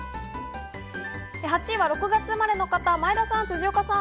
８位は６月生まれの方、前田さん、辻岡さん。